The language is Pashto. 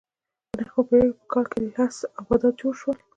په نهمه پېړۍ کې په کال کې لس آبدات جوړ شول